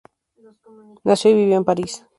Nació y vivió en París.